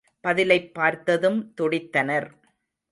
பதிலைப் பார்த்ததும், துடித்தனர்.